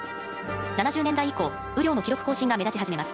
７０年代以降雨量の記録更新が目立ち始めます。